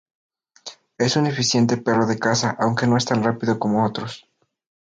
Es un eficiente perro de caza, aunque no es tan rápido como otros.